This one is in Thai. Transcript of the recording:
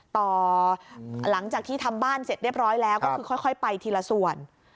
ต่อหลังจากที่ทำบ้านเสร็จเรียบร้อยแล้วก็คือค่อยไปทีละส่วน